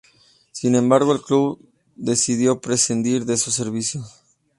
Sin embargo, el club decidió prescindir de sus servicios.